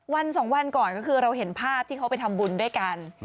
วันสองวันก่อนก็คือเราเห็นภาพที่เขาไปทำบุญด้วยกัน